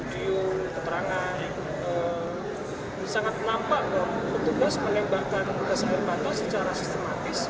video keterangan sangat nampak bahwa petugas menembakkan gas air mata secara sistematis